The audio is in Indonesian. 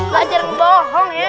gajar bohong ya